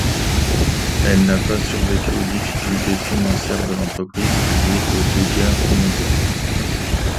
Elle n'a pas survécu aux difficultés financières de l'entreprise liées aux deux guerres mondiales.